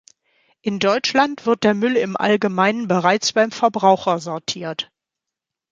In Deutschland wird der Müll im Allgemeinen bereits beim Verbraucher sortiert.